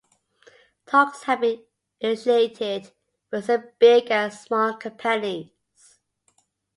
Talks have been initiated with some big and small companies.